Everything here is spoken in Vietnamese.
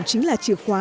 chính là chìa khóa